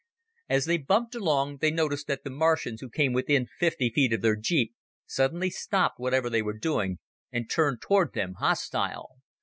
As they bumped along, they noticed that the Martians who came within fifty feet of their jeep suddenly stopped whatever they were doing and turned toward them, hostile.